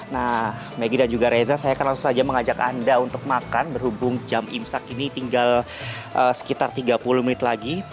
nah maggie dan juga reza saya akan langsung saja mengajak anda untuk makan berhubung jam imsak ini tinggal sekitar tiga puluh menit lagi